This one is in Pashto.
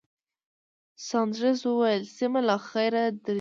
ساندرز وویل، سېمه، له خیره درځئ.